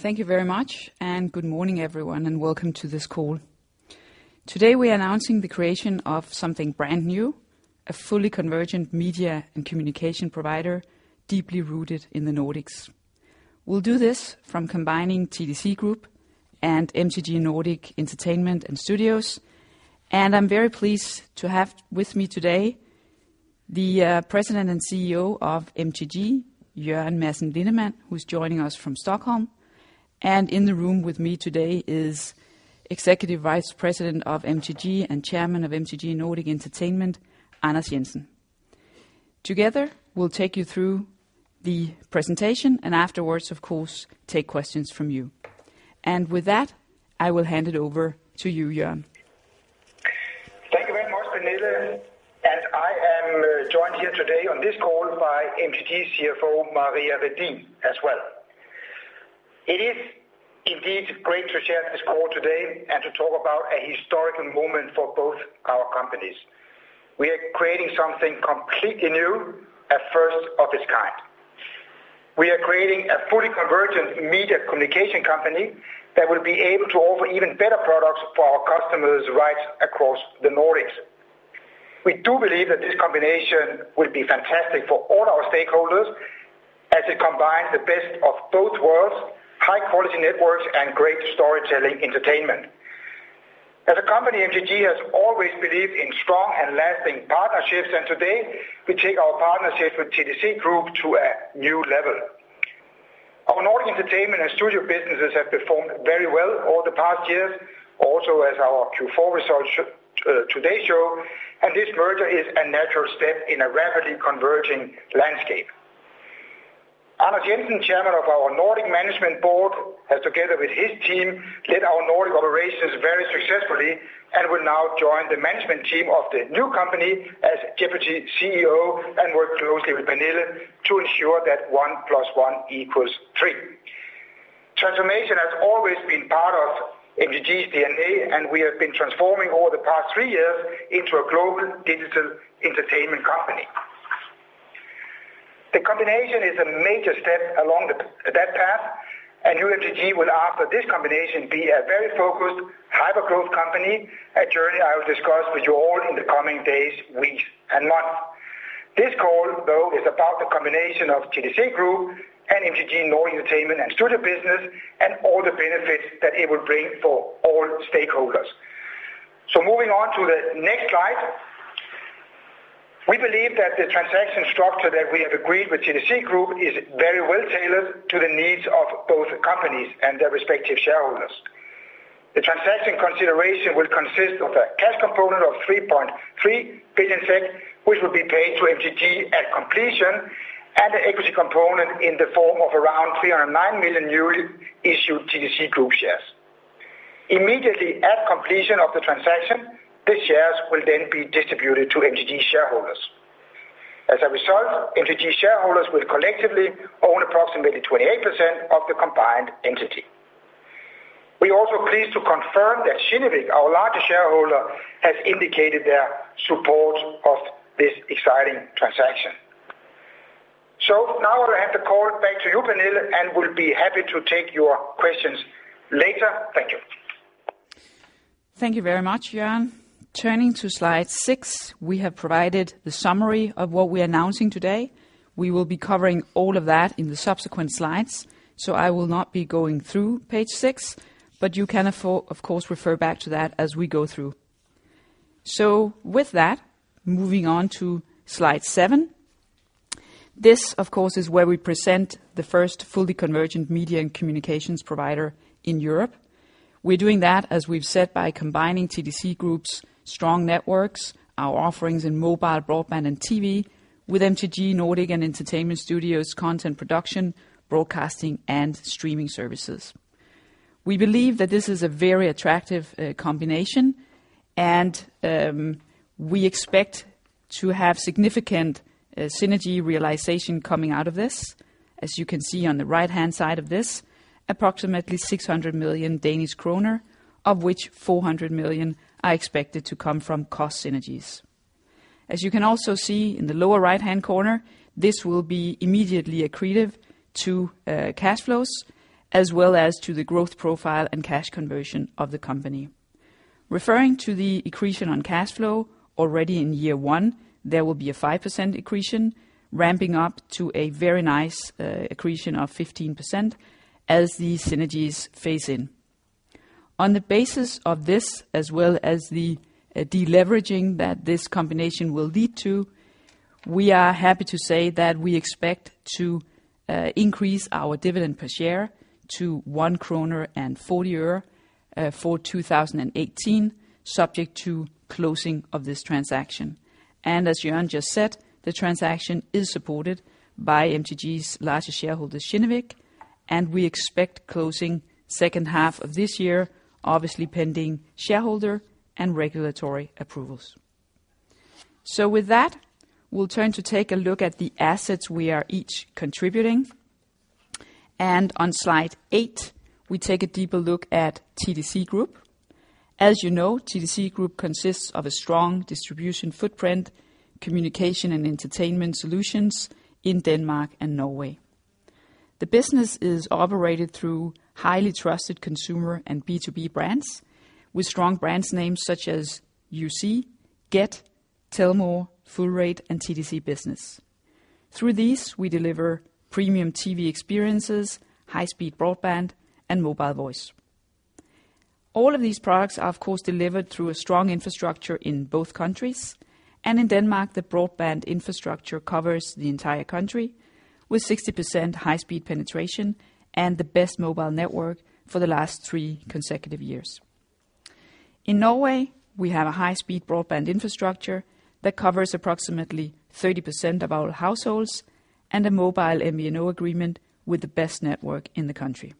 Thank you very much, and good morning, everyone, and welcome to this call. Today, we are announcing the creation of something brand new, a fully convergent media and communication provider deeply rooted in the Nordics. We will do this from combining TDC Group and MTG Nordic Entertainment and Studios. I am very pleased to have with me today the President and CEO of MTG, Jørgen Madsen Lindemann, who is joining us from Stockholm, and in the room with me today is Executive Vice President of MTG and Chairman of MTG Nordic Entertainment, Anders Jensen. Together, we will take you through the presentation and afterwards, of course, take questions from you. With that, I will hand it over to you, Jørgen. Thank you very much, Pernille, and I am joined here today on this call by MTG CFO Maria Redin as well. It is indeed great to share this call today and to talk about a historical moment for both our companies. We are creating something completely new, a first of its kind. We are creating a fully convergent media communication company that will be able to offer even better products for our customers right across the Nordics. We do believe that this combination will be fantastic for all our stakeholders as it combines the best of both worlds, high-quality networks and great storytelling entertainment. As a company, MTG has always believed in strong and lasting partnerships, and today we take our partnership with TDC Group to a new level. Our Nordic Entertainment and Studios businesses have performed very well over the past years, also as our Q4 results today show, this merger is a natural step in a rapidly converging landscape. Anders Jensen, Chairman of our Nordic management board, has, together with his team, led our Nordic operations very successfully and will now join the management team of the new company as Deputy CEO and work closely with Pernille to ensure that one plus one equals three. Transformation has always been part of MTG's DNA, we have been transforming over the past three years into a global digital entertainment company. The combination is a major step along that path, new MTG will, after this combination, be a very focused hyper-growth company, a journey I will discuss with you all in the coming days, weeks, and months. This call, though, is about the combination of TDC Group and MTG Nordic Entertainment and Studios business and all the benefits that it will bring for all stakeholders. Moving on to the next slide. We believe that the transaction structure that we have agreed with TDC Group is very well-tailored to the needs of both companies and their respective shareholders. The transaction consideration will consist of a cash component of 3.3 billion SEK, which will be paid to MTG at completion, and an equity component in the form of around 309 million newly issued TDC Group shares. Immediately at completion of the transaction, the shares will then be distributed to MTG shareholders. As a result, MTG shareholders will collectively own approximately 28% of the combined entity. We are also pleased to confirm that Kinnevik, our largest shareholder, has indicated their support of this exciting transaction. Now I have to call back to you, Pernille, will be happy to take your questions later. Thank you. Thank you very much, Jørgen. Turning to slide six, we have provided the summary of what we're announcing today. We will be covering all of that in the subsequent slides, I will not be going through page six, you can, of course, refer back to that as we go through. With that, moving on to slide seven. This, of course, is where we present the first fully convergent media and communications provider in Europe. We're doing that, as we've said, by combining TDC Group's strong networks, our offerings in mobile, broadband, and TV with MTG Nordic and Entertainment Studios' content production, broadcasting, and streaming services. We believe that this is a very attractive combination, we expect to have significant synergy realization coming out of this. As you can see on the right-hand side of this, approximately 600 million Danish kroner, of which 400 million are expected to come from cost synergies. As you can also see in the lower right-hand corner, this will be immediately accretive to cash flows as well as to the growth profile and cash conversion of the company. Referring to the accretion on cash flow, already in year one, there will be a 5% accretion ramping up to a very nice accretion of 15% as these synergies phase in. On the basis of this, as well as the deleveraging that this combination will lead to, we are happy to say that we expect to increase our dividend per share to 1.40 kroner for 2018, subject to closing of this transaction. As Jørgen just said, the transaction is supported by MTG's largest shareholder, Kinnevik, we expect closing second half of this year, obviously pending shareholder and regulatory approvals. With that, we'll turn to take a look at the assets we are each contributing. On slide eight, we take a deeper look at TDC Group. As you know, TDC Group consists of a strong distribution footprint, communication and entertainment solutions in Denmark and Norway. The business is operated through highly trusted consumer and B2B brands with strong brands names such as YouSee, Get, Telmore, Fullrate, and TDC Business. Through these, we deliver premium TV experiences, high-speed broadband, and mobile voice. All of these products are, of course, delivered through a strong infrastructure in both countries. In Denmark, the broadband infrastructure covers the entire country with 60% high-speed penetration and the best mobile network for the last three consecutive years. In Norway, we have a high-speed broadband infrastructure that covers approximately 30% of all households and a mobile MVNO agreement with the best network in the country.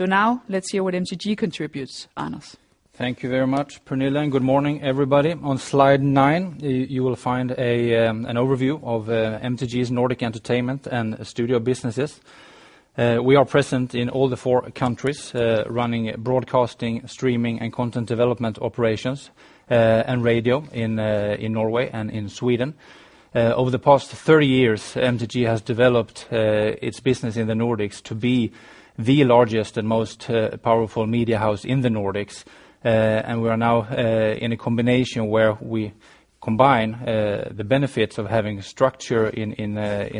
Now let's hear what MTG contributes, Anders. Thank you very much, Pernille, and good morning, everybody. On slide nine, you will find an overview of MTG's Nordic Entertainment and MTG Studios businesses. We are present in all the four countries, running broadcasting, streaming, and content development operations, and radio in Norway and in Sweden. Over the past 30 years, MTG has developed its business in the Nordics to be the largest and most powerful media house in the Nordics. We are now in a combination where we combine the benefits of having structure in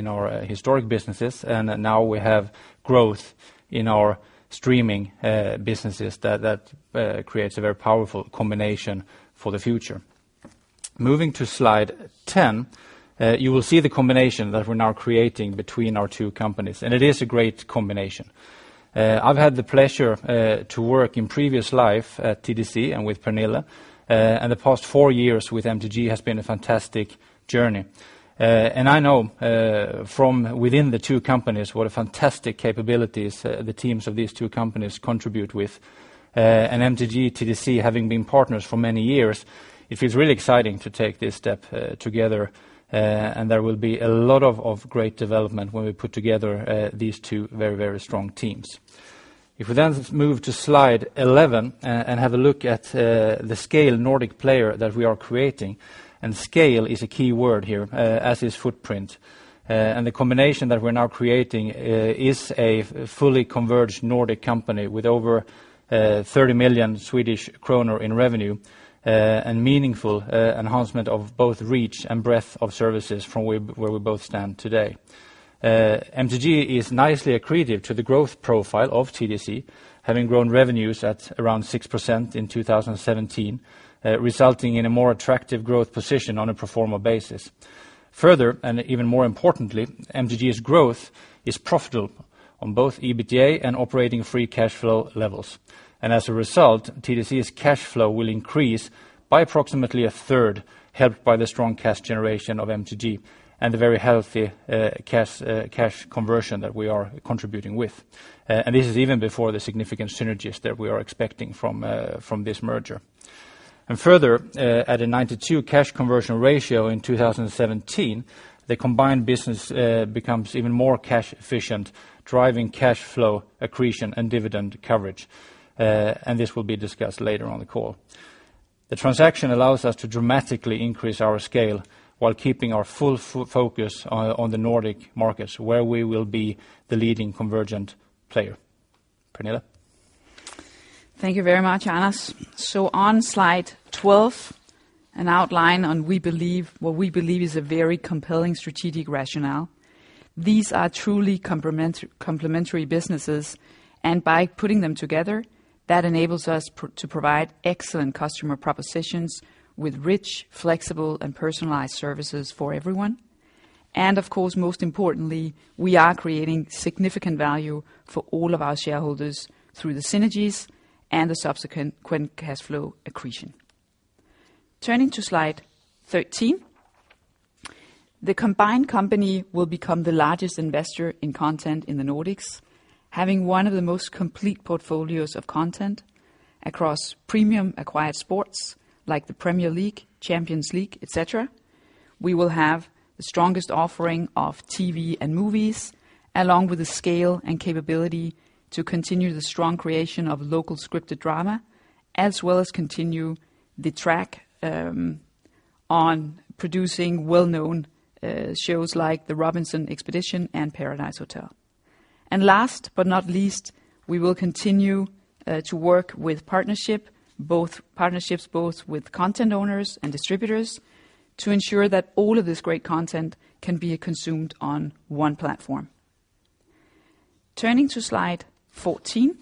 our historic businesses. Now we have growth in our streaming businesses that creates a very powerful combination for the future. Moving to slide 10, you will see the combination that we're now creating between our two companies. It is a great combination. I've had the pleasure to work in previous life at TDC and with Pernille. The past four years with MTG has been a fantastic journey. I know, from within the two companies what fantastic capabilities the teams of these two companies contribute with. MTG, TDC having been partners for many years, it feels really exciting to take this step together. There will be a lot of great development when we put together these two very strong teams. Move to slide 11 and have a look at the scale Nordic player that we are creating. Scale is a key word here, as is footprint. The combination that we're now creating is a fully converged Nordic company with over 30 million Swedish kronor in revenue. Meaningful enhancement of both reach and breadth of services from where we both stand today. MTG is nicely accretive to the growth profile of TDC, having grown revenues at around 6% in 2017, resulting in a more attractive growth position on a pro forma basis. Further, even more importantly, MTG's growth is profitable on both EBITDA and operating free cash flow levels. As a result, TDC's cash flow will increase by approximately a third, helped by the strong cash generation of MTG and the very healthy cash conversion that we are contributing with. This is even before the significant synergies that we are expecting from this merger. Further, at a 92% cash conversion ratio in 2017, the combined business becomes even more cash efficient, driving cash flow accretion and dividend coverage. This will be discussed later on the call. The transaction allows us to dramatically increase our scale while keeping our full focus on the Nordic markets where we will be the leading convergent player. Pernille. Thank you very much, Anders. On slide 12, an outline on what we believe is a very compelling strategic rationale. These are truly complementary businesses, and by putting them together, that enables us to provide excellent customer propositions with rich, flexible, and personalized services for everyone. Of course, most importantly, we are creating significant value for all of our shareholders through the synergies and the subsequent cash flow accretion. Turning to slide 13. The combined company will become the largest investor in content in the Nordics, having one of the most complete portfolios of content across premium acquired sports like the Premier League, Champions League, et cetera. We will have the strongest offering of TV and movies, along with the scale and capability to continue the strong creation of local scripted drama, as well as continue the track on producing well-known shows like "Expedition Robinson" and "Paradise Hotel." Last but not least, we will continue to work with partnerships both with content owners and distributors to ensure that all of this great content can be consumed on one platform. Turning to slide 14.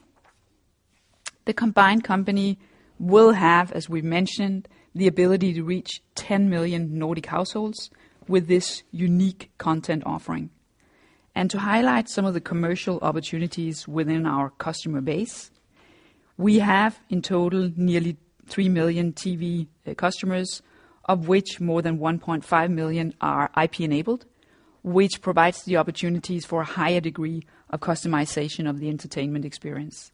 The combined company will have, as we mentioned, the ability to reach 10 million Nordic households with this unique content offering. To highlight some of the commercial opportunities within our customer base, we have in total nearly 3 million TV customers, of which more than 1.5 million are IP-enabled, which provides the opportunities for a higher degree of customization of the entertainment experience.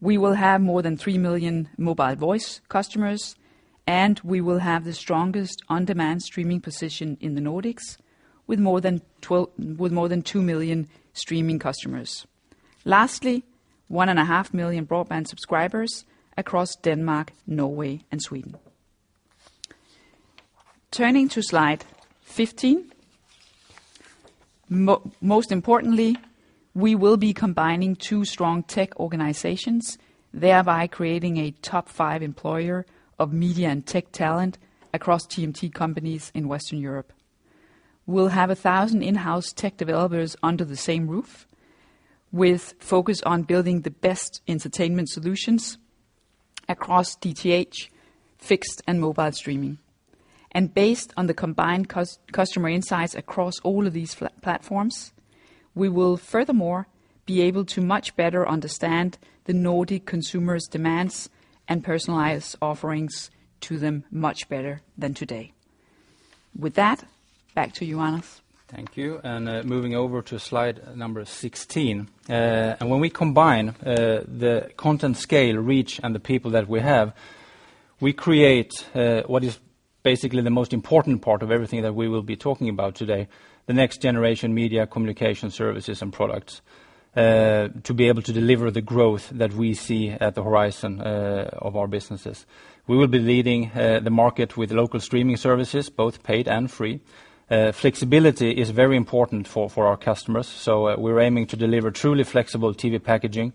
We will have more than 3 million mobile voice customers, and we will have the strongest on-demand streaming position in the Nordics with more than 2 million streaming customers. Lastly, 1.5 million broadband subscribers across Denmark, Norway, and Sweden. Turning to slide 15, most importantly, we will be combining two strong tech organizations, thereby creating a top five employer of media and tech talent across TMT companies in Western Europe. We'll have 1,000 in-house tech developers under the same roof, with focus on building the best entertainment solutions across DTH, fixed and mobile streaming. Based on the combined customer insights across all of these platforms, we will furthermore be able to much better understand the Nordic consumers' demands and personalize offerings to them much better than today. With that, back to you, Anders. Thank you. Moving over to slide 16. When we combine the content scale reach and the people that we have, we create what is basically the most important part of everything that we will be talking about today, the next generation media communication services and products, to be able to deliver the growth that we see at the horizon of our businesses. We will be leading the market with local streaming services, both paid and free. Flexibility is very important for our customers, so we are aiming to deliver truly flexible TV packaging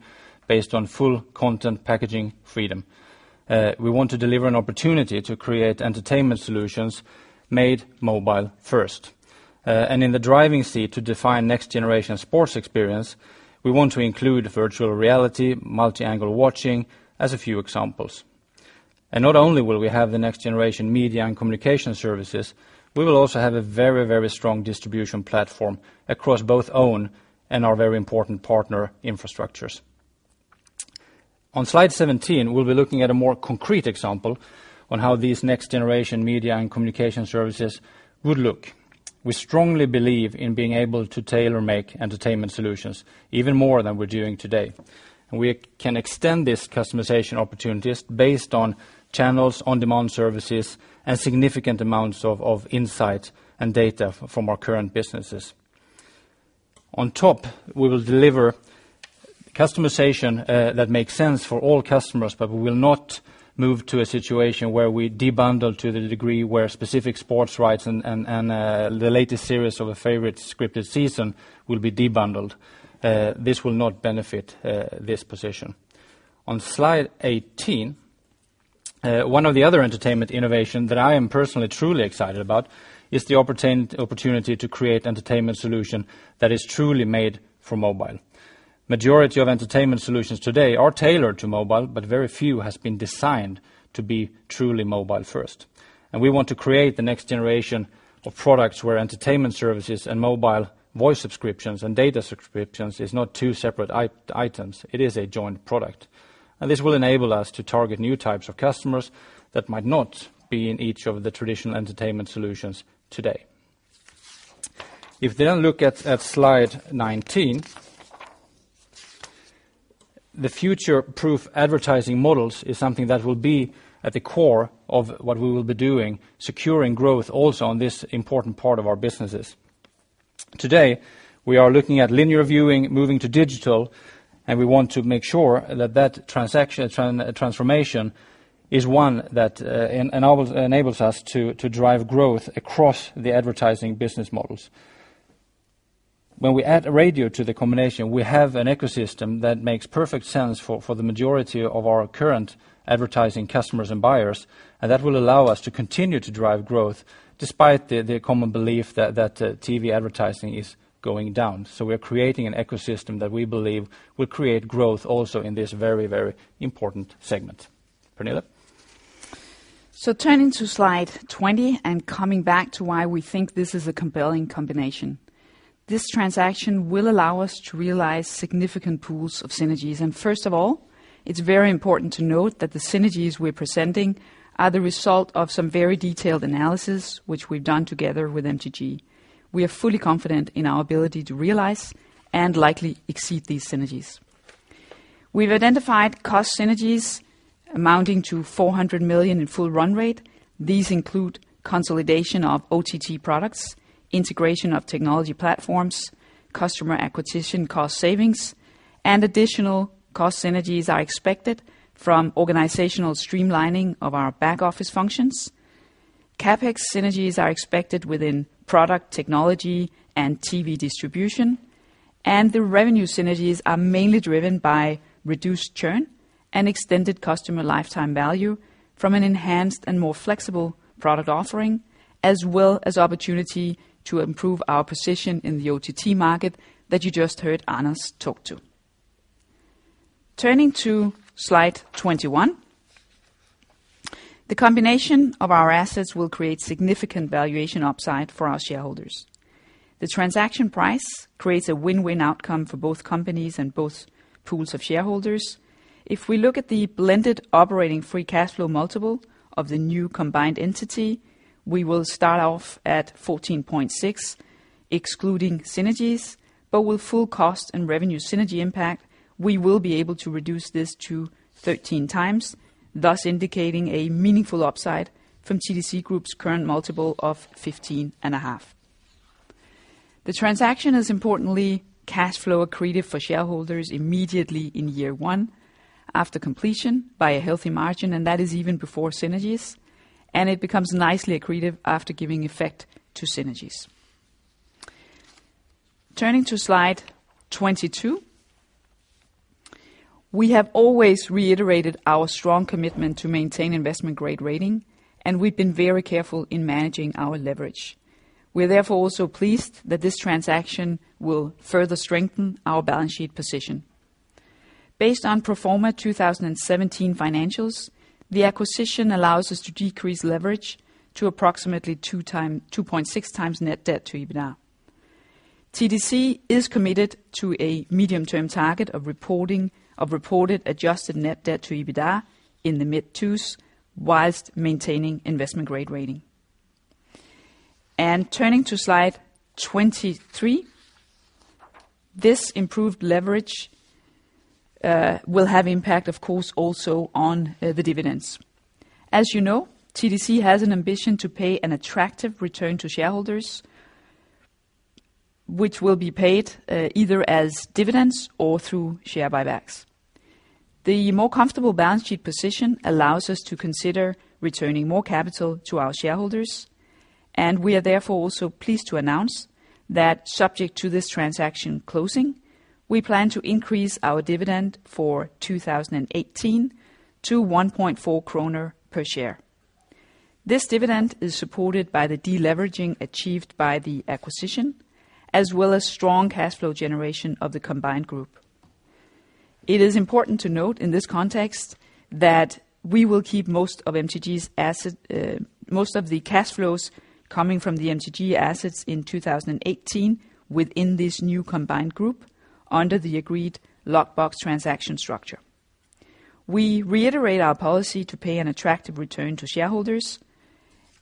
based on full content packaging freedom. We want to deliver an opportunity to create entertainment solutions made mobile first. In the driving seat to define next generation sports experience, we want to include virtual reality, multi-angle watching, as a few examples. Not only will we have the next generation media and communication services, we will also have a very strong distribution platform across both own and our very important partner infrastructures. On slide 17, we will be looking at a more concrete example on how these next generation media and communication services would look. We strongly believe in being able to tailor-make entertainment solutions even more than we are doing today. We can extend these customization opportunities based on channels, on-demand services, and significant amounts of insight and data from our current businesses. On top, we will deliver customization that makes sense for all customers, but we will not move to a situation where we de-bundle to the degree where specific sports rights and the latest series of a favorite scripted season will be de-bundled. This will not benefit this position. On slide 18, one of the other entertainment innovation that I am personally truly excited about is the opportunity to create entertainment solution that is truly made for mobile. Majority of entertainment solutions today are tailored to mobile, but very few has been designed to be truly mobile first. We want to create the next generation of products where entertainment services and mobile voice subscriptions and data subscriptions is not two separate items. It is a joint product. This will enable us to target new types of customers that might not be in each of the traditional entertainment solutions today. Look at slide 19, the future-proof advertising models is something that will be at the core of what we will be doing, securing growth also on this important part of our businesses. Today, we are looking at linear viewing moving to digital. We want to make sure that that transformation is one that enables us to drive growth across the advertising business models. When we add radio to the combination, we have an ecosystem that makes perfect sense for the majority of our current advertising customers and buyers. That will allow us to continue to drive growth despite the common belief that TV advertising is going down. We are creating an ecosystem that we believe will create growth also in this very important segment. Pernille. Turning to slide 20, coming back to why we think this is a compelling combination. This transaction will allow us to realize significant pools of synergies. First of all, it's very important to note that the synergies we're presenting are the result of some very detailed analysis, which we've done together with MTG. We are fully confident in our ability to realize and likely exceed these synergies. We've identified cost synergies amounting to 400 million in full run rate. These include consolidation of OTT products, integration of technology platforms, customer acquisition cost savings, and additional cost synergies are expected from organizational streamlining of our back office functions. CapEx synergies are expected within product technology and TV distribution, the revenue synergies are mainly driven by reduced churn and extended customer lifetime value from an enhanced and more flexible product offering, as well as opportunity to improve our position in the OTT market that you just heard Anders talk to. Turning to slide 21. The combination of our assets will create significant valuation upside for our shareholders. The transaction price creates a win-win outcome for both companies and both pools of shareholders. If we look at the blended operating free cash flow multiple of the new combined entity, we will start off at 14.6, excluding synergies, but with full cost and revenue synergy impact We will be able to reduce this to 13 times, thus indicating a meaningful upside from TDC Group's current multiple of 15.5. The transaction is importantly cash flow accretive for shareholders immediately in year one, after completion by a healthy margin, that is even before synergies, it becomes nicely accretive after giving effect to synergies. Turning to slide 22. We have always reiterated our strong commitment to maintain investment-grade rating, we've been very careful in managing our leverage. We are therefore also pleased that this transaction will further strengthen our balance sheet position. Based on pro forma 2017 financials, the acquisition allows us to decrease leverage to approximately 2.6x net debt to EBITDA. TDC is committed to a medium-term target of reported adjusted net debt to EBITDA in the mid-2s, whilst maintaining investment-grade rating. Turning to slide 23. This improved leverage will have impact, of course, also on the dividends. As you know, TDC has an ambition to pay an attractive return to shareholders, which will be paid either as dividends or through share buybacks. The more comfortable balance sheet position allows us to consider returning more capital to our shareholders, we are therefore also pleased to announce that subject to this transaction closing, we plan to increase our dividend for 2018 to 1.4 kroner per share. This dividend is supported by the de-leveraging achieved by the acquisition, as well as strong cash flow generation of the combined group. It is important to note in this context that we will keep most of the cash flows coming from the MTG assets in 2018 within this new combined group under the agreed lockbox transaction structure. We reiterate our policy to pay an attractive return to shareholders.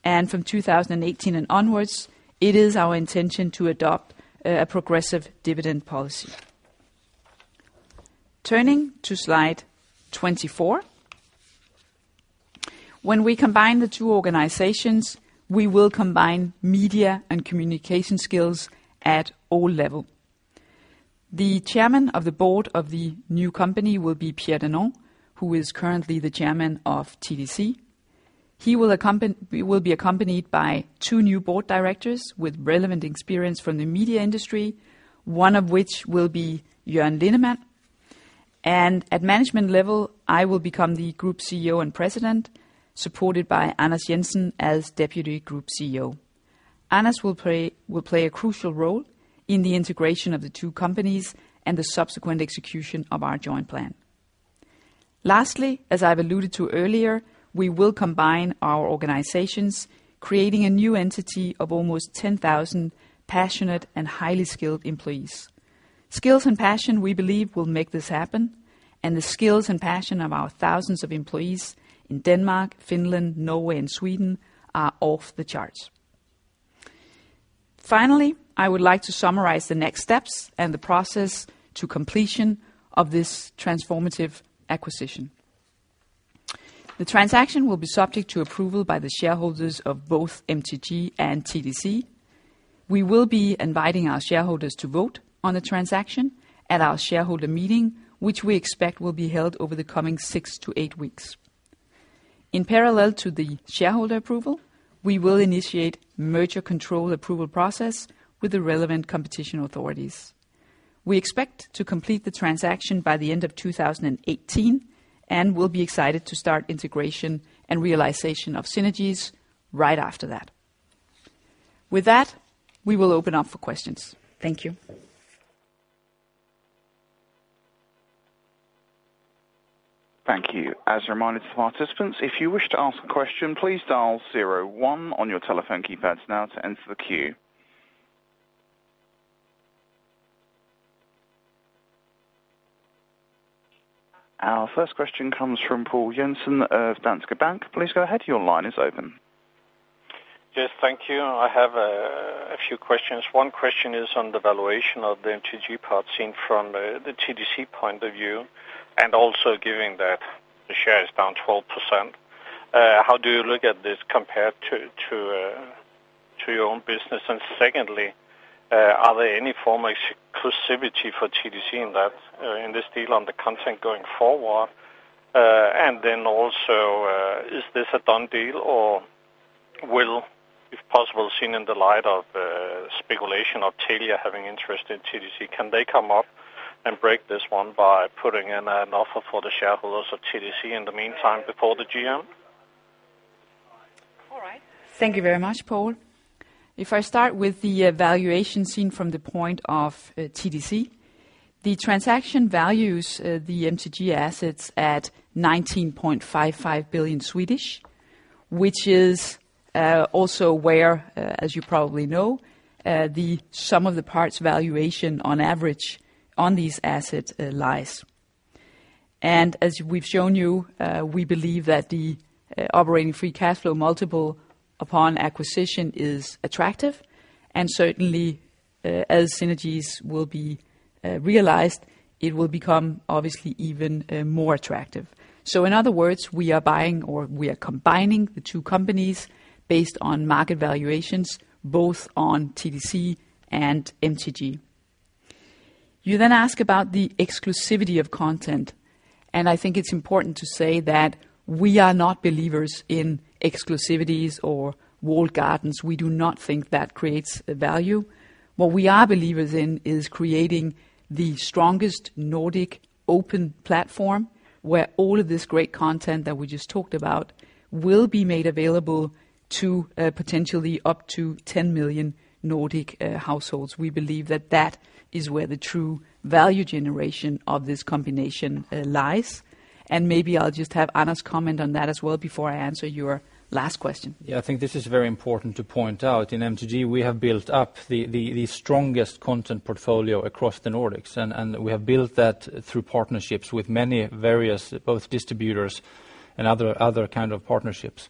From 2018 and onwards, it is our intention to adopt a progressive dividend policy. Turning to slide 24. When we combine the two organizations, we will combine media and communication skills at all level. The Chairman of the Board of the new company will be Pierre Danon, who is currently the Chairman of TDC. He will be accompanied by two new board directors with relevant experience from the media industry, one of which will be Jørgen Lindemann. At management level, I will become the Group CEO and President, supported by Anders Jensen as Deputy Group CEO. Anders will play a crucial role in the integration of the two companies and the subsequent execution of our joint plan. Lastly, as I've alluded to earlier, we will combine our organizations, creating a new entity of almost 10,000 passionate and highly skilled employees. Skills and passion, we believe, will make this happen, and the skills and passion of our thousands of employees in Denmark, Finland, Norway, and Sweden are off the charts. Finally, I would like to summarize the next steps and the process to completion of this transformative acquisition. The transaction will be subject to approval by the shareholders of both MTG and TDC. We will be inviting our shareholders to vote on the transaction at our shareholder meeting, which we expect will be held over the coming six to eight weeks. In parallel to the shareholder approval, we will initiate merger control approval process with the relevant competition authorities. We expect to complete the transaction by the end of 2018. We'll be excited to start integration and realization of synergies right after that. With that, we will open up for questions. Thank you. Thank you. As a reminder to participants, if you wish to ask a question, please dial zero one on your telephone keypads now to enter the queue. Our first question comes from Poul Jensen of Danske Bank. Please go ahead. Your line is open. Yes. Thank you. I have a few questions. One question is on the valuation of the MTG part seen from the TDC point of view, also given that the share is down 12%. How do you look at this compared to your own business? Secondly, are there any form exclusivity for TDC in this deal on the content going forward? Is this a done deal, or will, if possible, seen in the light of speculation of Telia having interest in TDC, can they come up and break this one by putting in an offer for the shareholders of TDC in the meantime before the GM? All right. Thank you very much, Paul. Starting with the valuation seen from the point of TDC, the transaction values the MTG assets at 19.55 billion, which is also where, as you probably know, the sum of the parts valuation on average on these assets lies. As we've shown you, we believe that the operating free cash flow multiple upon acquisition is attractive. Certainly, as synergies will be realized, it will become obviously even more attractive. In other words, we are buying or we are combining the two companies based on market valuations, both on TDC and MTG. You ask about the exclusivity of content, and I think it's important to say that we are not believers in exclusivities or walled gardens. We do not think that creates value. What we are believers in is creating the strongest Nordic open platform, where all of this great content that we just talked about will be made available to potentially up to 10 million Nordic households. We believe that is where the true value generation of this combination lies. Maybe I'll just have Anders comment on that as well before I answer your last question. I think this is very important to point out. In MTG, we have built up the strongest content portfolio across the Nordics, and we have built that through partnerships with many various, both distributors and other kind of partnerships.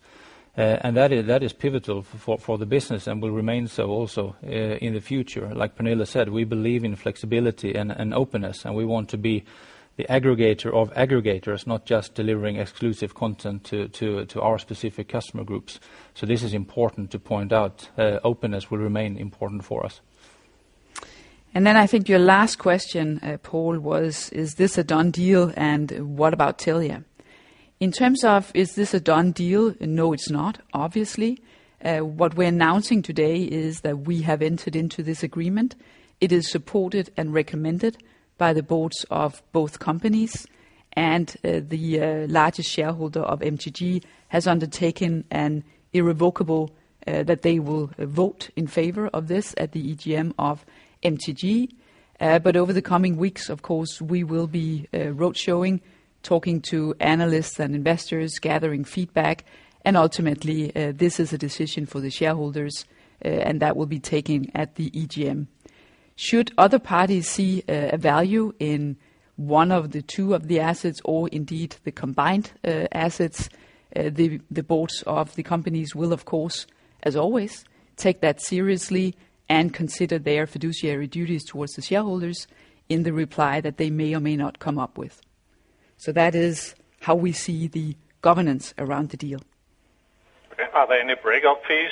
That is pivotal for the business and will remain so also in the future. Like Pernille said, we believe in flexibility and openness, and we want to be the aggregator of aggregators, not just delivering exclusive content to our specific customer groups. This is important to point out. Openness will remain important for us. I think your last question, Paul, was, is this a done deal, and what about Telia? In terms of is this a done deal, no, it's not, obviously. What we're announcing today is that we have entered into this agreement. It is supported and recommended by the boards of both companies. The largest shareholder of MTG has undertaken an irrevocable that they will vote in favor of this at the EGM of MTG. Over the coming weeks, of course, we will be road showing, talking to analysts and investors, gathering feedback, and ultimately, this is a decision for the shareholders, and that will be taken at the EGM. Should other parties see a value in one of the two of the assets or indeed the combined assets, the boards of the companies will, of course, as always, take that seriously and consider their fiduciary duties towards the shareholders in the reply that they may or may not come up with. That is how we see the governance around the deal. Okay. Are there any breakup fees?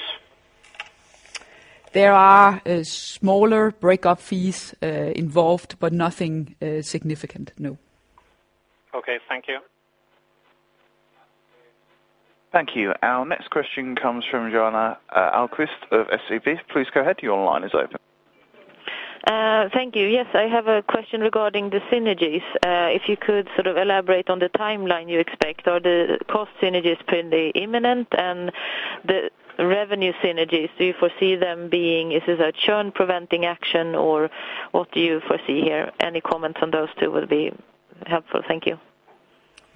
There are smaller breakup fees involved. Nothing significant, no. Okay. Thank you. Thank you. Our next question comes from Johanna Ahlquist of SEB. Please go ahead. Your line is open. Thank you. Yes, I have a question regarding the synergies. If you could sort of elaborate on the timeline you expect. Are the cost synergies pretty imminent, and the revenue synergies, do you foresee them? Is this a churn preventing action, or what do you foresee here? Any comments on those two will be helpful. Thank you.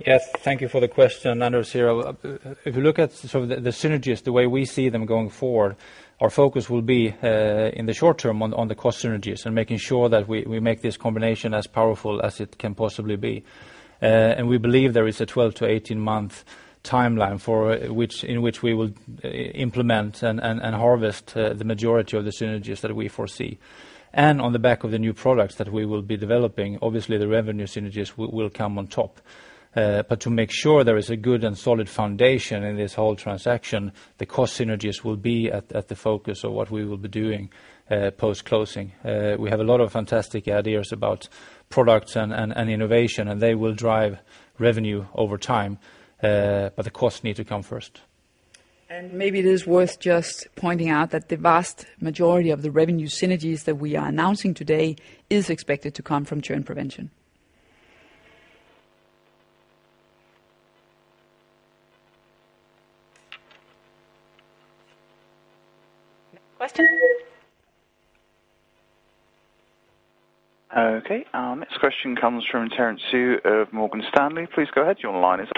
Yes. Thank you for the question, Joanna. If you look at sort of the synergies the way we see them going forward, our focus will be, in the short term, on the cost synergies and making sure that we make this combination as powerful as it can possibly be. We believe there is a 12-18-month timeline in which we will implement and harvest the majority of the synergies that we foresee. On the back of the new products that we will be developing, obviously, the revenue synergies will come on top. To make sure there is a good and solid foundation in this whole transaction, the cost synergies will be at the focus of what we will be doing post-closing. We have a lot of fantastic ideas about products and innovation, and they will drive revenue over time. The costs need to come first. maybe it is worth just pointing out that the vast majority of the revenue synergies that we are announcing today is expected to come from churn prevention. Question? Okay, next question comes from Terence Tsui of Morgan Stanley. Please go ahead. Your line is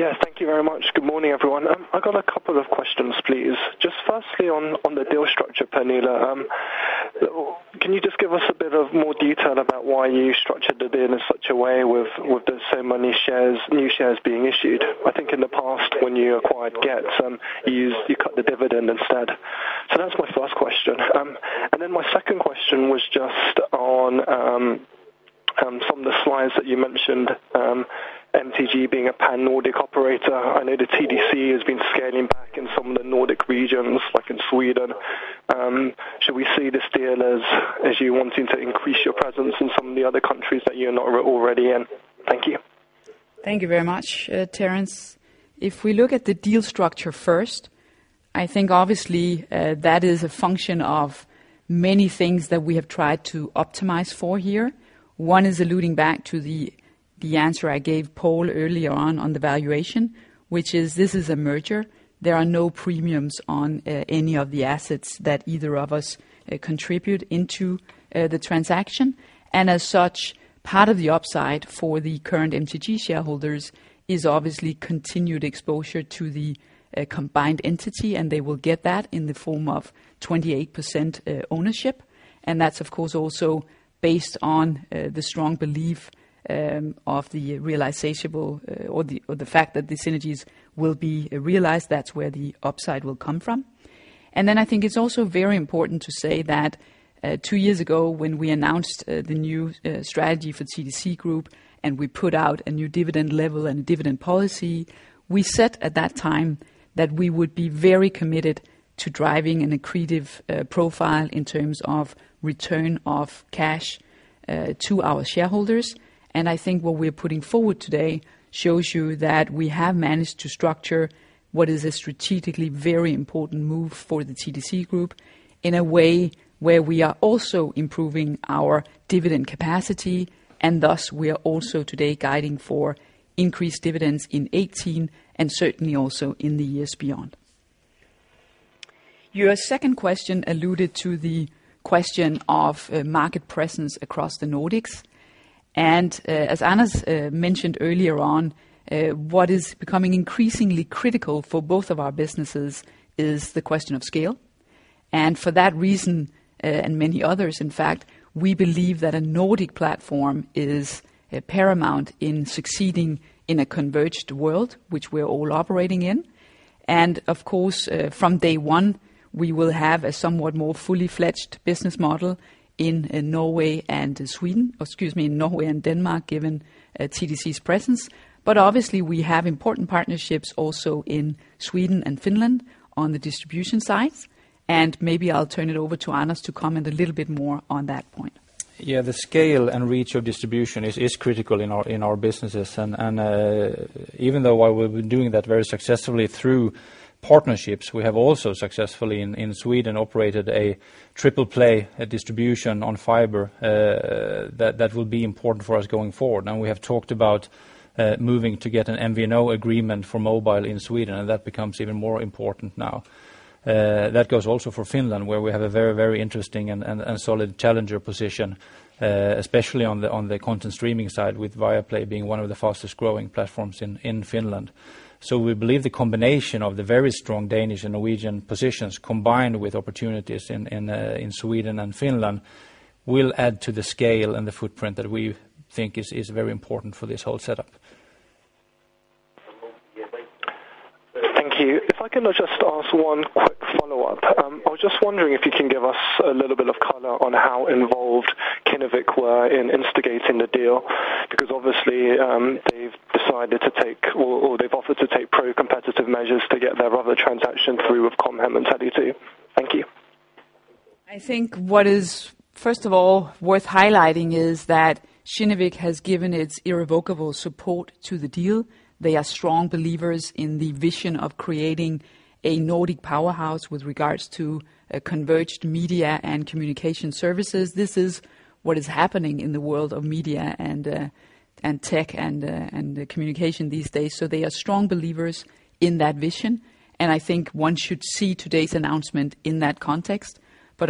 open. Thank you very much. Good morning, everyone. I've got a couple of questions, please. Just firstly on the deal structure, Pernille, can you just give us a bit of more detail about why you structured the deal in such a way with so many new shares being issued? I think in the past when you acquired Get, you cut the dividend instead. That's my first question. My second question was just on some of the slides that you mentioned, MTG being a pan-Nordic operator. I know that TDC has been scaling back in some of the Nordic regions, like in Sweden. Should we see this deal as you wanting to increase your presence in some of the other countries that you're not already in? Thank you. Thank you very much, Terence. If we look at the deal structure first, I think obviously that is a function of many things that we have tried to optimize for here. One is alluding back to the answer I gave Paul earlier on the valuation, which is this is a merger. There are no premiums on any of the assets that either of us contribute into the transaction. As such, part of the upside for the current MTG shareholders is obviously continued exposure to the combined entity, and they will get that in the form of 28% ownership. That's of course, also based on the strong belief of the realizable or the fact that the synergies will be realized, that's where the upside will come from. I think it's also very important to say that 2 years ago, when we announced the new strategy for TDC Group and we put out a new dividend level and dividend policy, we said at that time that we would be very committed to driving an accretive profile in terms of return of cash to our shareholders. I think what we're putting forward today shows you that we have managed to structure what is a strategically very important move for the TDC Group in a way where we are also improving our dividend capacity, and thus we are also today guiding for increased dividends in 2018 and certainly also in the years beyond. Your second question alluded to the question of market presence across the Nordics. As Anders mentioned earlier on, what is becoming increasingly critical for both of our businesses is the question of scale. For that reason, and many others in fact, we believe that a Nordic platform is paramount in succeeding in a converged world, which we're all operating in. Of course, from day 1, we will have a somewhat more fully fledged business model in Norway and Sweden, excuse me, in Norway and Denmark, given TDC's presence. Obviously we have important partnerships also in Sweden and Finland on the distribution side. Maybe I'll turn it over to Anders to comment a little bit more on that point. Yeah, the scale and reach of distribution is critical in our businesses. Even though we've been doing that very successfully through partnerships, we have also successfully in Sweden, operated a triple play distribution on fiber. That will be important for us going forward. Now we have talked about moving to get an MVNO agreement for mobile in Sweden, and that becomes even more important now. That goes also for Finland, where we have a very interesting and solid challenger position, especially on the content streaming side, with Viaplay being one of the fastest growing platforms in Finland. We believe the combination of the very strong Danish and Norwegian positions, combined with opportunities in Sweden and Finland, will add to the scale and the footprint that we think is very important for this whole setup. Thank you. If I can just ask one quick follow-up. I was just wondering if you can give us a little bit of color on how involved Kinnevik were in instigating the deal. Obviously, they've decided to take, or they've offered to take pro-competitive measures to get their other transaction through with Com Hem and Tele2. Thank you. I think what is, first of all, worth highlighting is that Kinnevik has given its irrevocable support to the deal. They are strong believers in the vision of creating a Nordic powerhouse with regards to converged media and communication services. This is what is happening in the world of media and tech and communication these days. They are strong believers in that vision, and I think one should see today's announcement in that context.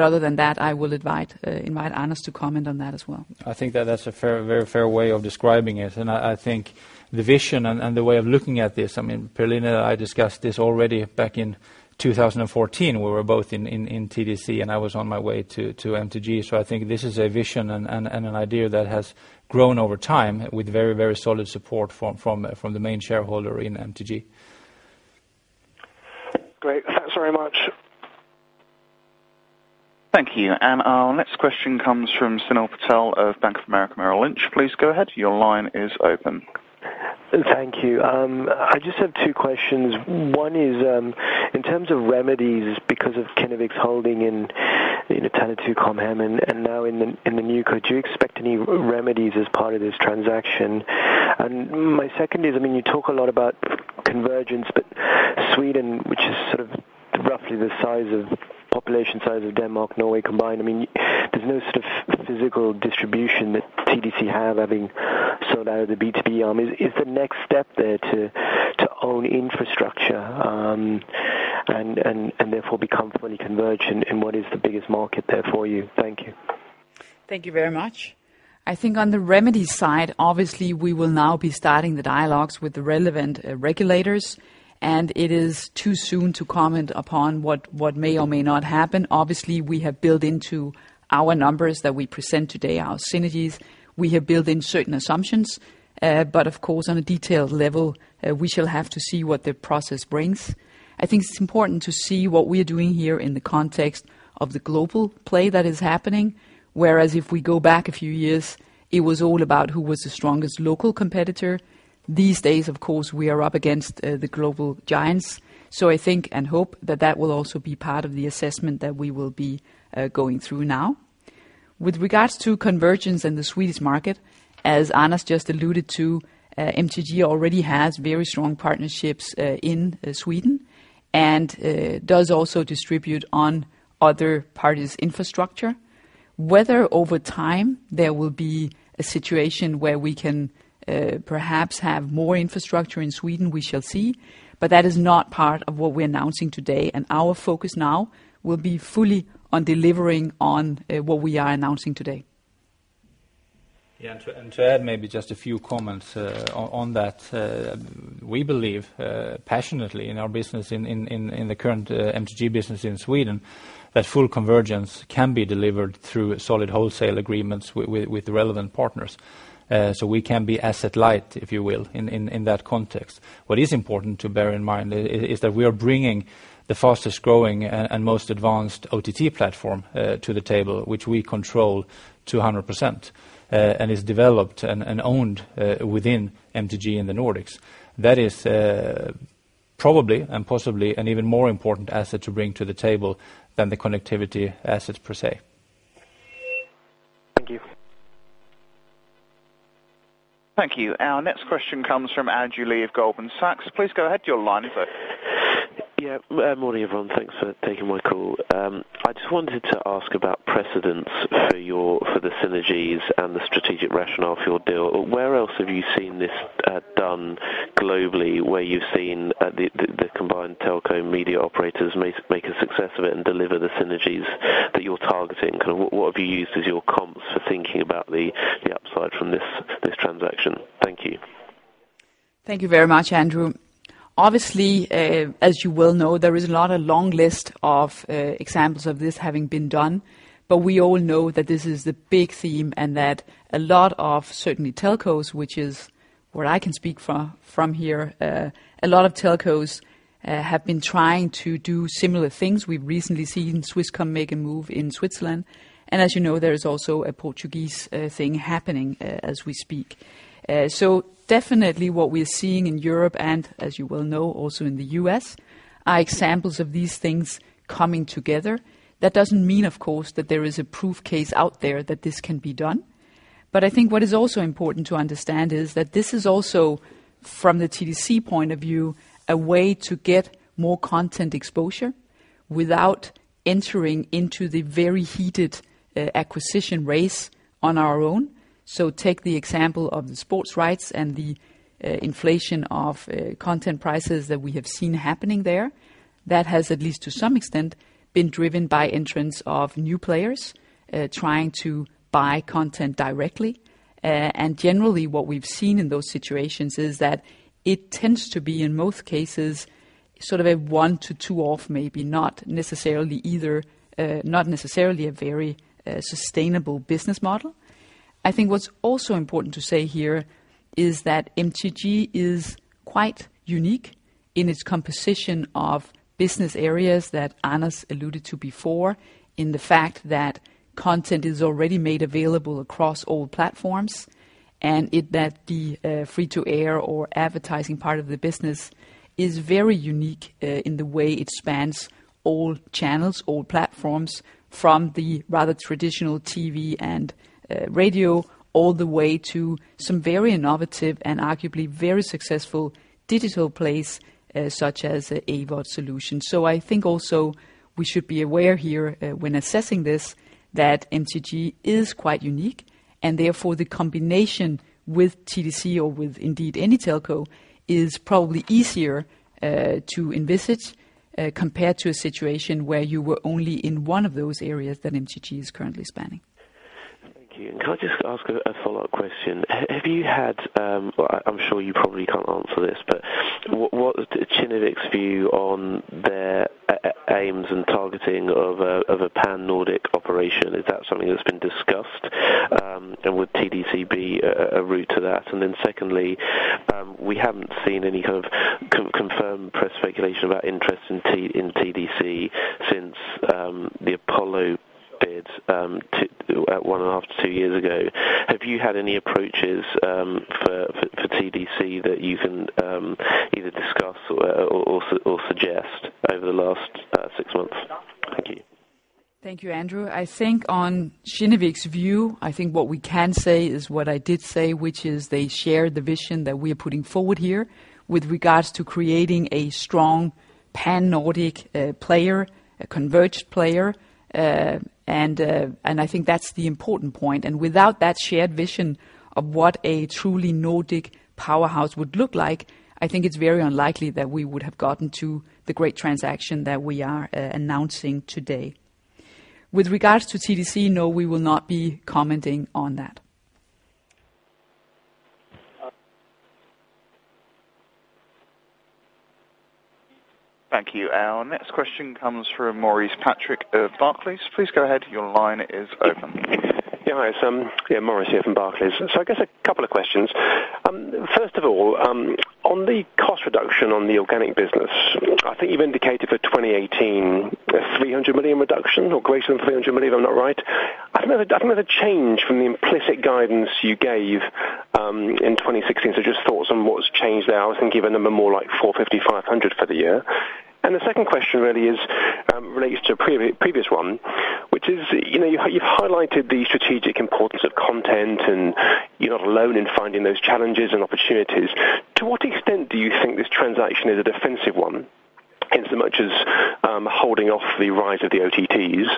Other than that, I will invite Anders to comment on that as well. I think that's a very fair way of describing it. I think the vision and the way of looking at this, Pernille and I discussed this already back in 2014. We were both in TDC, and I was on my way to MTG. I think this is a vision and an idea that has grown over time with very solid support from the main shareholder in MTG. Great. Thanks very much. Thank you. Our next question comes from Sunil Patel of Bank of America Merrill Lynch. Please go ahead. Your line is open. Thank you. I just have two questions. One is, in terms of remedies, because of Kinnevik's holding in Tele2, Com Hem, and now in the new co, do you expect any remedies as part of this transaction? My second is, you talk a lot about convergence, but Sweden, which is sort of roughly the population size of Denmark, Norway combined, there's no sort of physical distribution that TDC have having sold out of the B2B arm. Is the next step there to own infrastructure, and therefore become fully convergent in what is the biggest market there for you? Thank you. Thank you very much. I think on the remedy side, obviously we will now be starting the dialogues with the relevant regulators, and it is too soon to comment upon what may or may not happen. Obviously, we have built into our numbers that we present today, our synergies. We have built in certain assumptions. Of course, on a detailed level, we shall have to see what the process brings. I think it's important to see what we are doing here in the context of the global play that is happening. Whereas if we go back a few years, it was all about who was the strongest local competitor. These days, of course, we are up against the global giants. I think and hope that that will also be part of the assessment that we will be going through now. With regards to convergence in the Swedish market, as Anders just alluded to, MTG already has very strong partnerships in Sweden, and does also distribute on other parties' infrastructure. Whether over time there will be a situation where we can perhaps have more infrastructure in Sweden, we shall see, but that is not part of what we're announcing today, and our focus now will be fully on delivering on what we are announcing today. Yeah. To add maybe just a few comments on that. We believe passionately in our business, in the current MTG business in Sweden, that full convergence can be delivered through solid wholesale agreements with relevant partners. We can be asset light, if you will, in that context. What is important to bear in mind is that we are bringing the fastest-growing and most advanced OTT platform to the table, which we control 200%, and is developed and owned within MTG in the Nordics. That is probably, and possibly, an even more important asset to bring to the table than the connectivity asset per se. Thank you. Thank you. Our next question comes from Andrew Lee of Goldman Sachs. Please go ahead, your line is open. Morning, everyone. Thanks for taking my call. I just wanted to ask about precedents for the synergies and the strategic rationale for your deal. Where else have you seen this done globally, where you've seen the combined telco media operators make a success of it and deliver the synergies that you're targeting? What have you used as your comps for thinking about the upside from this transaction? Thank you. Thank you very much, Andrew. Obviously, as you well know, there is not a long list of examples of this having been done, we all know that this is the big theme and that a lot of certainly telcos, which is what I can speak from here, a lot of telcos have been trying to do similar things. We've recently seen Swisscom make a move in Switzerland, and as you know, there is also a Portuguese thing happening as we speak. Definitely what we're seeing in Europe, and as you well know, also in the U.S., are examples of these things coming together. That doesn't mean, of course, that there is a proof case out there that this can be done. I think what is also important to understand is that this is also, from the TDC point of view, a way to get more content exposure without entering into the very heated acquisition race on our own. Take the example of the sports rights and the inflation of content prices that we have seen happening there. That has, at least to some extent, been driven by entrants of new players trying to buy content directly. Generally, what we've seen in those situations is that it tends to be, in most cases, sort of a one to two off, maybe not necessarily a very sustainable business model. I think what's also important to say here is that MTG is quite unique in its composition of business areas that Anders alluded to before, in the fact that content is already made available across all platforms. That the free-to-air or advertising part of the business is very unique in the way it spans all channels, all platforms, from the rather traditional TV and radio, all the way to some very innovative and arguably very successful digital place, such as AVOD solution. I think also we should be aware here, when assessing this, that MTG is quite unique, and therefore the combination with TDC or with indeed any telco is probably easier to envisage compared to a situation where you were only in one of those areas that MTG is currently spanning. Thank you. Can I just ask a follow-up question? Have you had, well, I'm sure you probably can't answer this, but what is Kinnevik's view on their aims and targeting of a pan-Nordic operation? Is that something that's been discussed? Would TDC be a route to that? Then secondly, we haven't seen any kind of confirmed press speculation about interest in TDC since the Apollo bid one and a half to two years ago. Have you had any approaches for TDC that you can either discuss or suggest over the last six months? Thank you. Thank you, Andrew. I think on Kinnevik's view, I think what we can say is what I did say, which is they share the vision that we are putting forward here with regards to creating a strong pan-Nordic player, a converged player. I think that's the important point. Without that shared vision of what a truly Nordic powerhouse would look like, I think it's very unlikely that we would have gotten to the great transaction that we are announcing today. With regards to TDC, no, we will not be commenting on that. Thank you. Our next question comes from Maurice Patrick of Barclays. Please go ahead. Your line is open. Hi. Maurice here from Barclays. I guess a couple of questions. First of all, on the cost reduction on the organic business, I think you've indicated for 2018, 300 million reduction or greater than 300 million, if I'm not right. I don't know the change from the implicit guidance you gave in 2016. Just thoughts on what's changed there. I was thinking of a number more like 450, 500 for the year. The second question really relates to a previous one, which is, you've highlighted the strategic importance of content, and you're not alone in finding those challenges and opportunities. To what extent do you think this transaction is a defensive one, insofar as holding off the rise of the OTTs,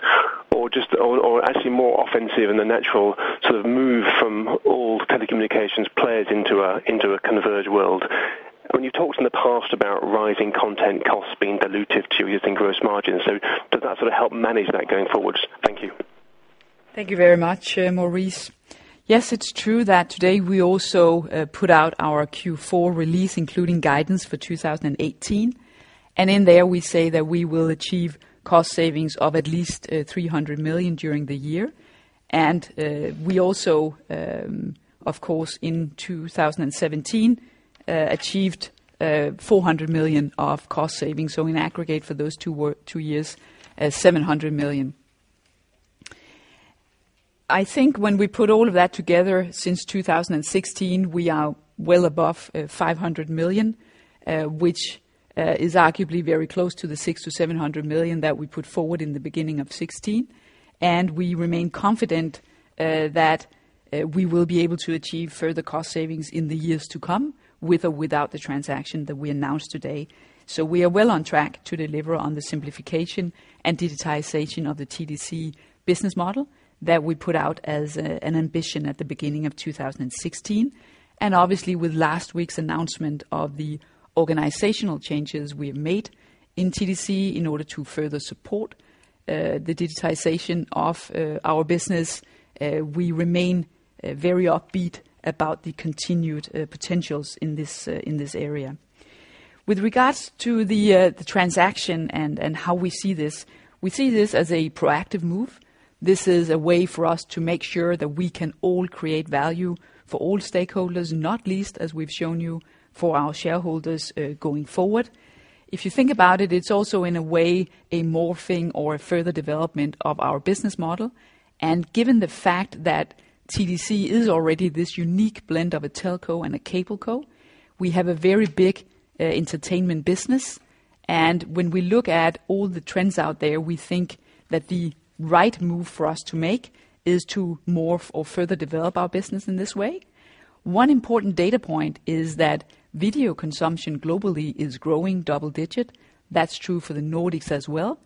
or actually more offensive in the natural move from all telecommunications players into a converged world? When you've talked in the past about rising content costs being dilutive to your gross margins, does that sort of help manage that going forward? Thank you. Thank you very much, Maurice. Yes, it's true that today we also put out our Q4 release, including guidance for 2018. In there, we say that we will achieve cost savings of at least 300 million during the year. We also, of course, in 2017, achieved 400 million of cost savings. In aggregate for those two years, 700 million. I think when we put all of that together, since 2016, we are well above 500 million, which is arguably very close to the 600 million-700 million that we put forward in the beginning of 2016. We remain confident that we will be able to achieve further cost savings in the years to come, with or without the transaction that we announced today. We are well on track to deliver on the simplification and digitization of the TDC business model that we put out as an ambition at the beginning of 2016. Obviously, with last week's announcement of the organizational changes we have made in TDC in order to further support the digitization of our business, we remain very upbeat about the continued potentials in this area. With regards to the transaction and how we see this, we see this as a proactive move. This is a way for us to make sure that we can all create value for all stakeholders, not least, as we've shown you, for our shareholders going forward. If you think about it's also, in a way, a morphing or a further development of our business model. Given the fact that TDC is already this unique blend of a telco and a cable co, we have a very big entertainment business. When we look at all the trends out there, we think that the right move for us to make is to morph or further develop our business in this way. One important data point is that video consumption globally is growing double digit. That's true for the Nordics as well.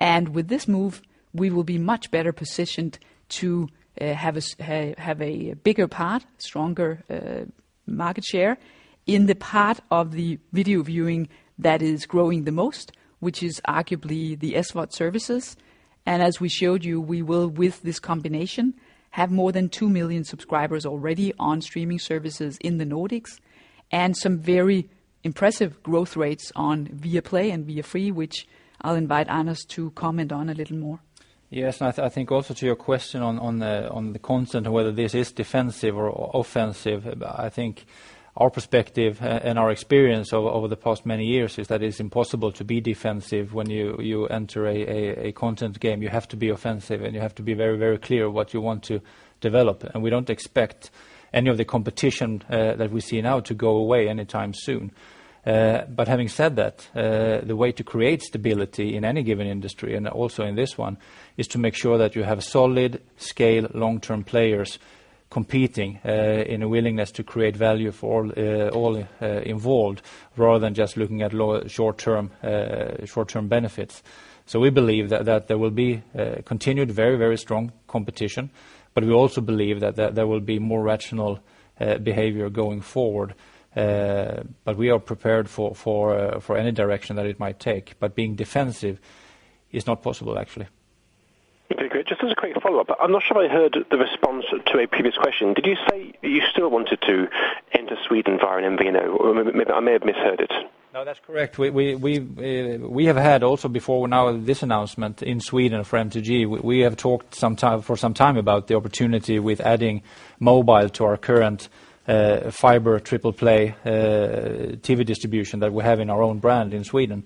With this move, we will be much better positioned to have a bigger part, stronger market share in the part of the video viewing that is growing the most, which is arguably the SVOD services. As we showed you, we will, with this combination, have more than 2 million subscribers already on streaming services in the Nordics and some very impressive growth rates on Viaplay and Viafree, which I'll invite Anders to comment on a little more. Yes. I think also to your question on the content, whether this is defensive or offensive, I think our perspective and our experience over the past many years is that it's impossible to be defensive when you enter a content game. You have to be offensive, and you have to be very clear what you want to develop. We don't expect any of the competition that we see now to go away anytime soon. Having said that, the way to create stability in any given industry, and also in this one, is to make sure that you have solid scale, long-term players competing in a willingness to create value for all involved, rather than just looking at short-term benefits. We believe that there will be continued very strong competition, but we also believe that there will be more rational behavior going forward. We are prepared for any direction that it might take. Being defensive is not possible, actually. Okay, great. Just as a quick follow-up. I am not sure I heard the response to a previous question. Did you say that you still wanted to enter Sweden via an MVNO? Or maybe I may have misheard it. No, that is correct. We have had also before now, this announcement in Sweden for MTG, we have talked for some time about the opportunity with adding mobile to our current fiber triple play TV distribution that we have in our own brand in Sweden.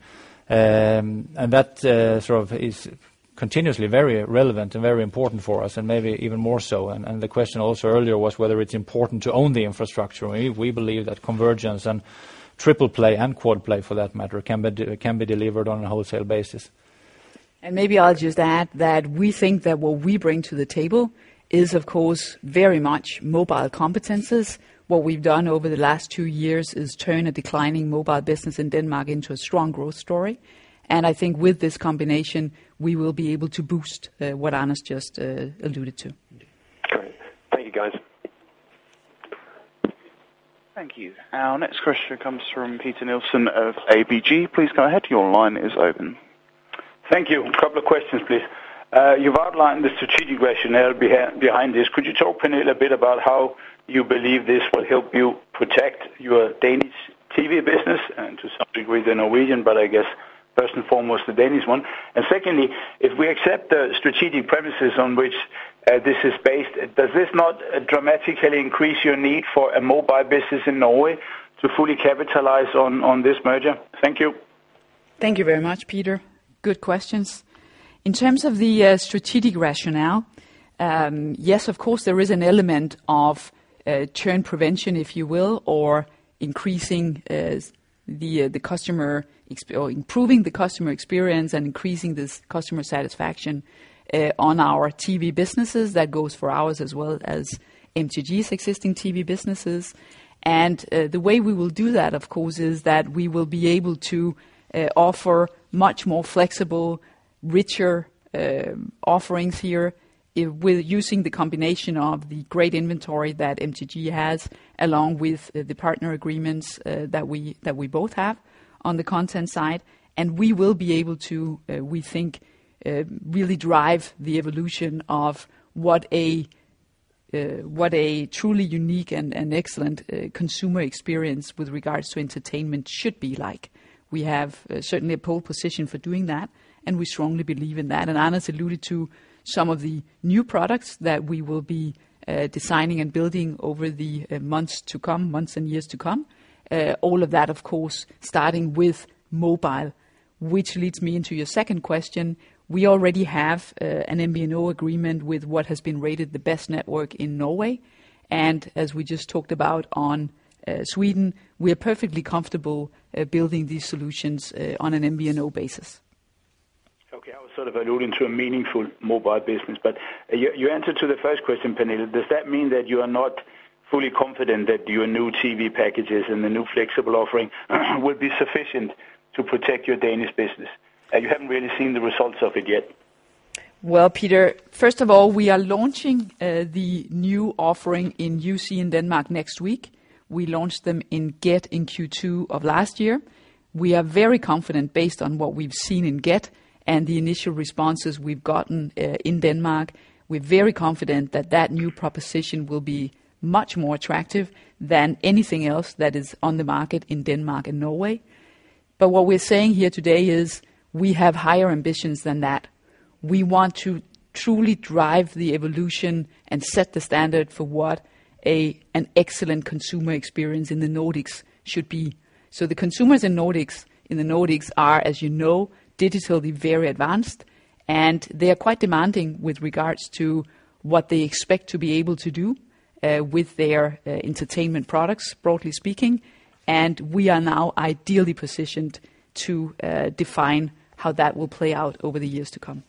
That sort of is continuously very relevant and very important for us and maybe even more so. The question also earlier was whether it is important to own the infrastructure. We believe that convergence and triple play and quad play for that matter, can be delivered on a wholesale basis. Maybe I will just add that we think that what we bring to the table is, of course, very much mobile competencies. What we have done over the last two years is turn a declining mobile business in Denmark into a strong growth story. I think with this combination, we will be able to boost what Anders just alluded to. Great. Thank you, guys. Thank you. Our next question comes from Peter Nielsen of ABG. Please go ahead. Your line is open. Thank you. A couple of questions, please. You've outlined the strategic rationale behind this. Could you talk a little bit about how you believe this will help you protect your Danish TV business and to some degree the Norwegian, but I guess first and foremost, the Danish one. Secondly, if we accept the strategic premises on which this is based, does this not dramatically increase your need for a mobile business in Norway to fully capitalize on this merger? Thank you. Thank you very much, Peter. Good questions. In terms of the strategic rationale, yes, of course, there is an element of churn prevention, if you will, or improving the customer experience and increasing the customer satisfaction on our TV businesses. That goes for ours as well as MTG's existing TV businesses. The way we will do that, of course, is that we will be able to offer much more flexible, richer offerings here with using the combination of the great inventory that MTG has, along with the partner agreements that we both have on the content side. We will be able to, we think, really drive the evolution of what a truly unique and excellent consumer experience with regards to entertainment should be like. We have certainly a pole position for doing that, and we strongly believe in that. Anders alluded to some of the new products that we will be designing and building over the months and years to come. All of that, of course, starting with mobile, which leads me into your second question. We already have an MVNO agreement with what has been rated the best network in Norway. As we just talked about on Sweden, we are perfectly comfortable building these solutions on an MVNO basis. Okay. I was alluding to a meaningful mobile business. Your answer to the first question, Pernille, does that mean that you are not fully confident that your new TV packages and the new flexible offering will be sufficient to protect your Danish business? You haven't really seen the results of it yet. Well, Peter, first of all, we are launching the new offering in YouSee in Denmark next week. We launched them in Get in Q2 of last year. We are very confident based on what we've seen in Get and the initial responses we've gotten in Denmark. We're very confident that that new proposition will be much more attractive than anything else that is on the market in Denmark and Norway. What we're saying here today is we have higher ambitions than that. We want to truly drive the evolution and set the standard for what an excellent consumer experience in the Nordics should be. The consumers in the Nordics are, as you know, digitally very advanced, and they are quite demanding with regards to what they expect to be able to do with their entertainment products, broadly speaking. We are now ideally positioned to define how that will play out over the years to come.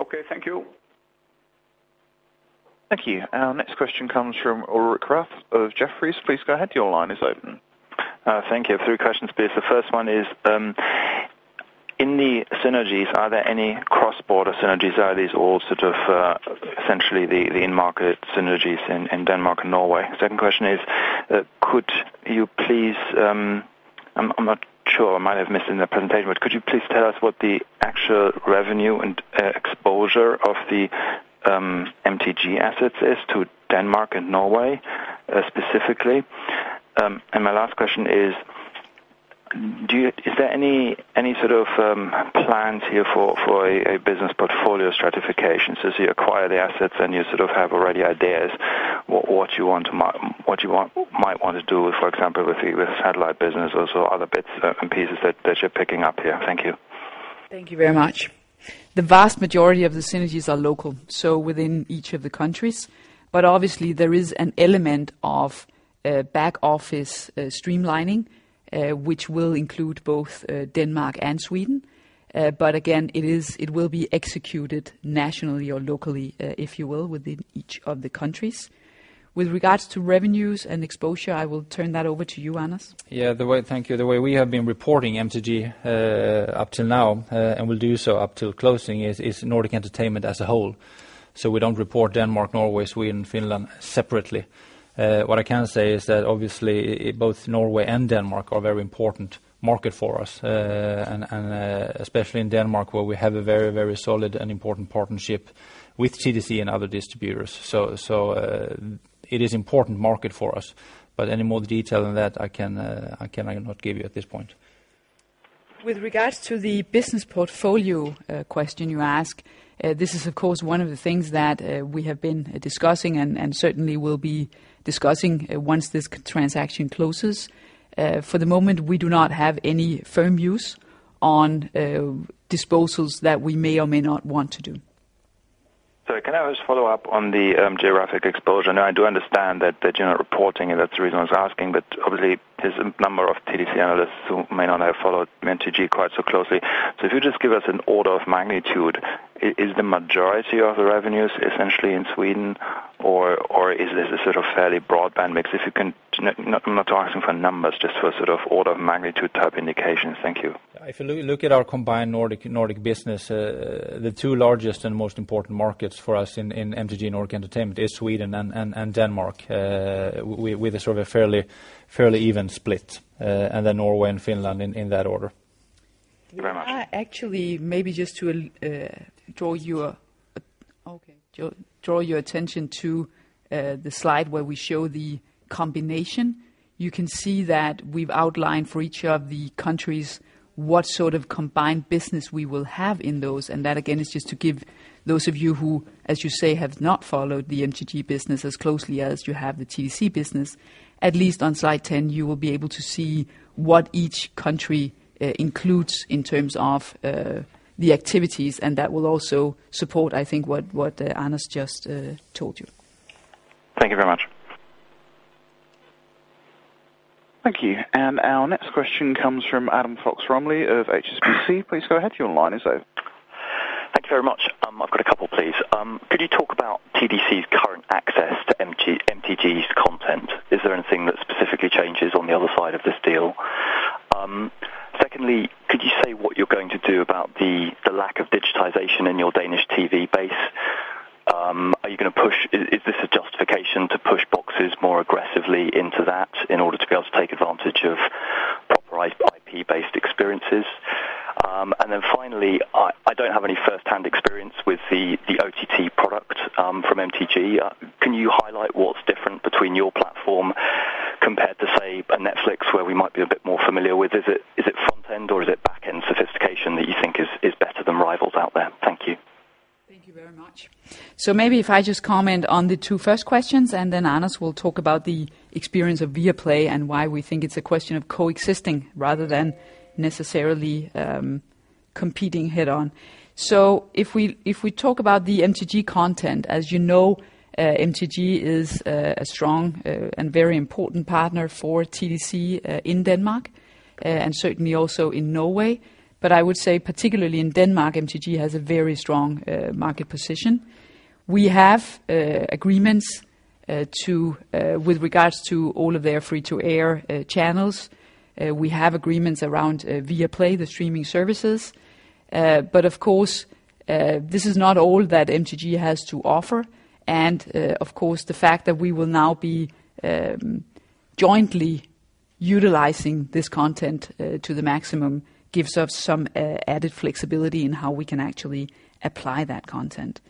Okay, thank you. Thank you. Our next question comes from Ulrich Rathe of Jefferies. Please go ahead. Your line is open. Thank you. Three questions, please. The first one is, in the synergies, are there any cross-border synergies, or are these all essentially the in-market synergies in Denmark and Norway? Second question is, I am not sure, I might have missed it in the presentation, but could you please tell us what the actual revenue and exposure of the MTG assets is to Denmark and Norway, specifically? My last question is there any sort of plans here for a business portfolio stratification? So as you acquire the assets, and you sort of have already ideas what you might want to do with, for example, with satellite business, also other bits and pieces that you are picking up here. Thank you. Thank you very much. The vast majority of the synergies are local, so within each of the countries. Obviously, there is an element of back-office streamlining, which will include both Denmark and Sweden. Again, it will be executed nationally or locally, if you will, within each of the countries. With regards to revenues and exposure, I will turn that over to you, Anders. Thank you. The way we have been reporting MTG up till now, and will do so up till closing, is MTG Nordic Entertainment as a whole. We don't report Denmark, Norway, Sweden, Finland separately. What I can say is that obviously both Norway and Denmark are very important market for us, and especially in Denmark, where we have a very solid and important partnership with TDC and other distributors. It is important market for us, but any more detail than that, I cannot give you at this point. With regards to the business portfolio question you ask, this is of course, one of the things that we have been discussing and certainly will be discussing once this transaction closes. For the moment, we do not have any firm views on disposals that we may or may not want to do. Can I just follow up on the geographic exposure? Now, I do understand that you're not reporting, and that's the reason I was asking, but obviously there's a number of TDC analysts who may not have followed MTG quite so closely. If you just give us an order of magnitude. Is the majority of the revenues essentially in Sweden, or is this a sort of fairly broadband mix? I'm not asking for numbers, just for sort of order of magnitude type indications. Thank you. If you look at our combined Nordic business, the two largest and most important markets for us in MTG Nordic Entertainment is Sweden and Denmark with a sort of a fairly even split, and then Norway and Finland in that order. Thank you very much. Actually, maybe just to draw your attention to the slide where we show the combination. You can see that we've outlined for each of the countries what sort of combined business we will have in those. That again, is just to give those of you who, as you say, have not followed the MTG business as closely as you have the TDC business. At least on slide 10, you will be able to see what each country includes in terms of the activities, and that will also support, I think, what Anders just told you. Thank you very much. Thank you. Our next question comes from Adam Fox-Rumley of HSBC. Please go ahead, your line is open. Thank you very much. I've got a couple, please. Could you talk about TDC's current access to MTG's content? Is there anything that specifically changes on the other side of this deal? Secondly, could you say what you're going to do about the lack of digitization in your Danish TV base? Is this a justification to push boxes more aggressively into that in order to be able to take advantage of proper IP-based experiences? Finally, I don't have any first-hand experience with the OTT product from MTG. Can you highlight what's different between your platform compared to, say, a Netflix where we might be a bit more familiar with? Is it front end or is it back end sophistication that you think is better than rivals out there? Thank you. Thank you very much. Maybe if I just comment on the 2 first questions, Anders will talk about the experience of Viaplay and why we think it's a question of coexisting rather than necessarily competing head-on. If we talk about the MTG content, as you know, MTG is a strong and very important partner for TDC in Denmark, and certainly also in Norway. I would say, particularly in Denmark, MTG has a very strong market position. We have agreements with regards to all of their free-to-air channels. We have agreements around Viaplay, the streaming services. Of course, this is not all that MTG has to offer. Of course, the fact that we will now be jointly utilizing this content to the maximum gives us some added flexibility in how we can actually apply that content.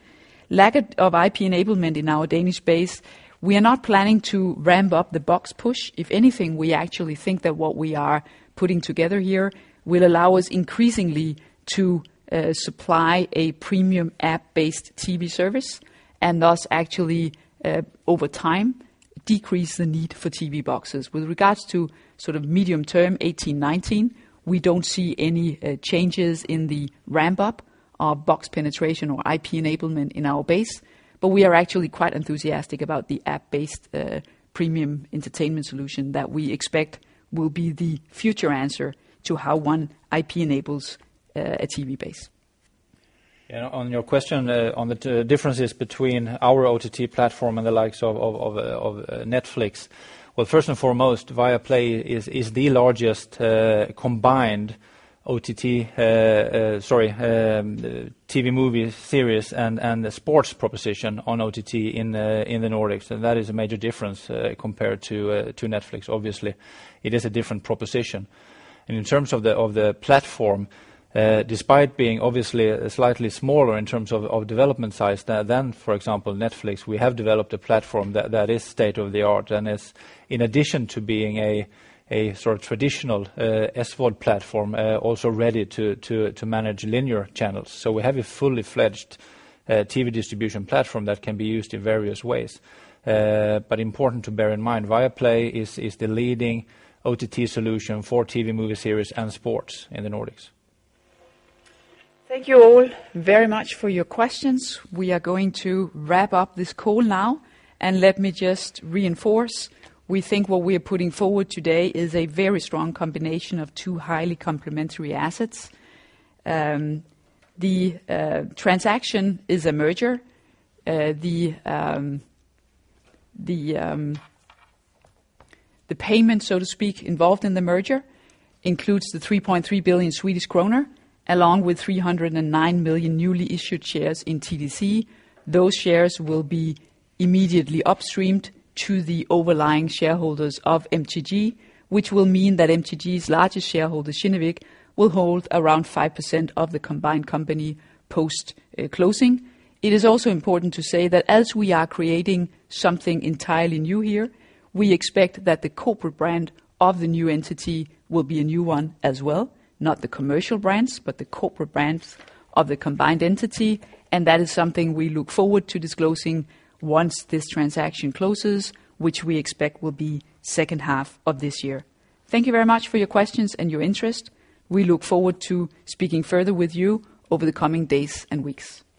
Lack of IP enablement in our Danish base, we are not planning to ramp up the box push. If anything, we actually think that what we are putting together here will allow us increasingly to supply a premium app-based TV service, and thus actually, over time, decrease the need for TV boxes. With regards to sort of medium term 2018/2019, we don't see any changes in the ramp-up of box penetration or IP enablement in our base, we are actually quite enthusiastic about the app-based premium entertainment solution that we expect will be the future answer to how one IP enables a TV base. On your question on the differences between our OTT platform and the likes of Netflix. First and foremost, Viaplay is the largest combined OTT, sorry, TV movie series and sports proposition on OTT in the Nordics. That is a major difference compared to Netflix. Obviously, it is a different proposition. In terms of the platform, despite being obviously slightly smaller in terms of development size than, for example, Netflix, we have developed a platform that is state of the art, and is, in addition to being a sort of traditional SVOD platform, also ready to manage linear channels. We have a fully fledged TV distribution platform that can be used in various ways. Important to bear in mind, Viaplay is the leading OTT solution for TV movie series and sports in the Nordics. Thank you all very much for your questions. We are going to wrap up this call now. Let me just reinforce, we think what we are putting forward today is a very strong combination of two highly complementary assets. The transaction is a merger. The payment, so to speak, involved in the merger includes the 3.3 billion Swedish kronor, along with 309 million newly issued shares in TDC. Those shares will be immediately upstreamed to the overlying shareholders of MTG, which will mean that MTG's largest shareholder, Kinnevik, will hold around 5% of the combined company post-closing. It is also important to say that as we are creating something entirely new here, we expect that the corporate brand of the new entity will be a new one as well, not the commercial brands, but the corporate brands of the combined entity. That is something we look forward to disclosing once this transaction closes, which we expect will be second half of this year. Thank you very much for your questions and your interest. We look forward to speaking further with you over the coming days and weeks.